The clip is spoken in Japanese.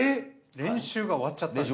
練習が終わっちゃった。